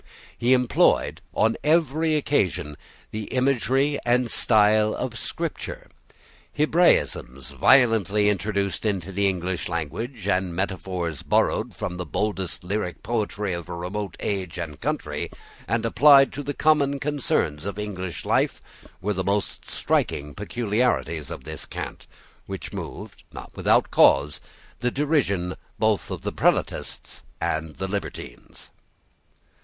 He employed, on every occasion, the imagery and style of Scripture. Hebraisms violently introduced into the English language, and metaphors borrowed from the boldest lyric poetry of a remote age and country, and applied to the common concerns of English life, were the most striking peculiarities of this cant, which moved, not without cause, the derision both of Prelatists and libertines.